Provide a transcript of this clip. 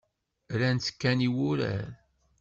Rran-tt kan i wurar.